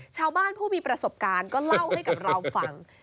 ชาวบ้านผู้มีประสบการณ์ก็เล่าให้กับเราฟัง